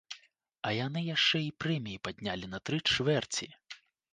А яны яшчэ і прэміі паднялі на тры чвэрці!